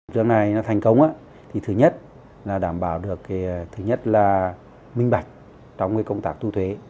trường này nó thành công á thì thứ nhất là đảm bảo được cái thứ nhất là minh bạch trong cái công tác thu thuế